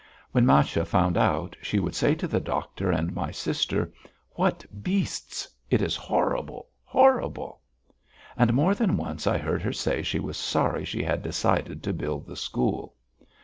When Masha found out, she would say to the doctor and my sister: "What beasts! It is horrible! Horrible!" And more than once I heard her say she was sorry she had decided to build the school.